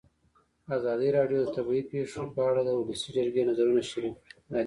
ازادي راډیو د طبیعي پېښې په اړه د ولسي جرګې نظرونه شریک کړي.